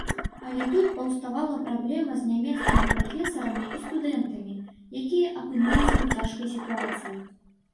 Але тут паўставала праблема з нямецкімі прафесарамі і студэнтамі, якія апынуліся ў цяжкай сітуацыі.